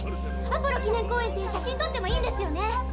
アポロ記念公園って写真とってもいいんですよね。